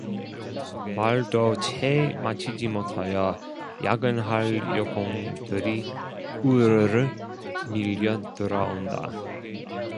말도 채 마치지 못하여 야근할 여공들이 우르르 밀려들어 온다.